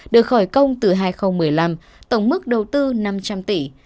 được khởi công từ hai nghìn một mươi năm tổng mức đầu tư năm trăm linh tỷ